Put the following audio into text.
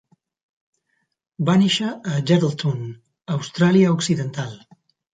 Va néixer a Geraldton, Austràlia Occidental.